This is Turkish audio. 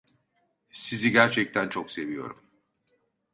Sizi gerçekten çok seviyorum!